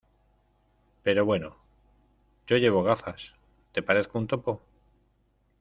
¡ pero bueno! yo llevo gafas. ¿ te parezco un topo?